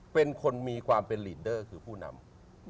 เป็นคนมีความเป็นลีดเดอร์คือผู้นำ